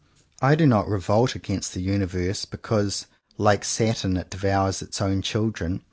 I do not revolt against the universe because, like Saturn, it devours its own children.